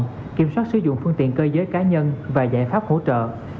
kiểm soát sử dụng phương tiện cơ giới cá nhân và giải pháp hỗ trợ